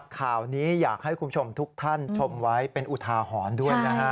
ข่าวนี้อยากให้ทุกท่านชมไว้เป็นอุทาหอนด้วย